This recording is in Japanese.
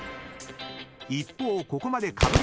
［一方ここまでかぶりなし］